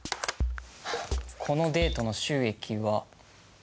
このデートの収益は。